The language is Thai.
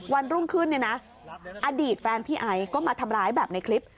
วันรุ่งขึ้นเนี่ยนะอดีตแฟนพี่ไอซ์ก็มาทำร้ายแบบในคลิป